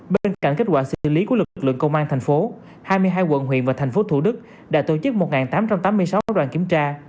bên cạnh kết quả xứ phạt của lực lượng công an tp hcm hai mươi hai quận huyện và tp hcm đã tổ chức một tám trăm tám mươi sáu đoàn kiểm tra